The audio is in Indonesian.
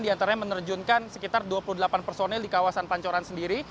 diantaranya menerjunkan sekitar dua puluh delapan personel di kawasan pancoran sendiri